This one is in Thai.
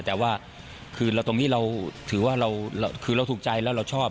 แต่ว่าคือตรงนี้เราถือว่าเราคือเราถูกใจแล้วเราชอบ